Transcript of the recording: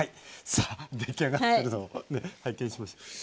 さあ出来上がってるのをね拝見しましょう。